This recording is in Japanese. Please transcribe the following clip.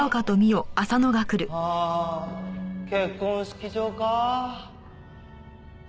はあ結婚式場か。